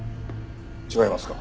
違いますか？